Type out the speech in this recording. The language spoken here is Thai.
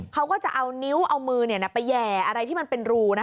เขาก็จะเอานิ้วเอามือไปแห่อะไรที่มันเป็นรู